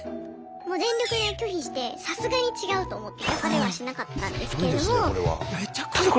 もう全力で拒否してさすがに違うと思って焼かれはしなかったんですけれども。